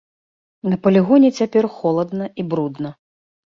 На палігоне цяпер холадна і брудна.